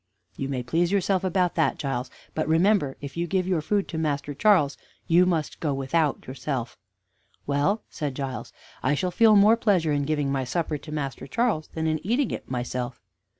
"You may please yourself about that, Giles: but remember, if you give your food to Master Charles, you must go without yourself." "Well," said Giles, "I shall feel more pleasure in giving my supper to Master Charles than in eating it myself."